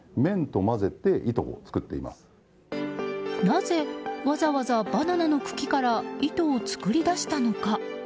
なぜ、わざわざバナナの茎から糸を作り出したのか。